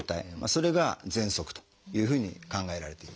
それがぜんそくというふうに考えられています。